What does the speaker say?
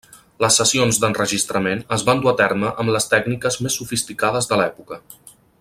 Les sessions d'enregistrament es van dur a terme amb les tècniques més sofisticades de l'època.